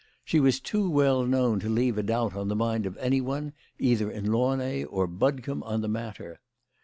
She was too well known to leave a doubt on the mind of anyone either in Launay or Bud combe on that matter.